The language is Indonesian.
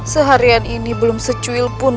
seharian ini belum secuil pun